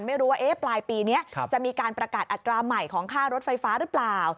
ไม่รู้ว่าปลายปีนี้จะมีการประกาศอัตราใหม่ของค่ารถไฟฟ้าหรือเปล่า